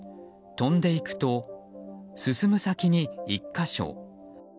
飛んでいくと、進む先に１か所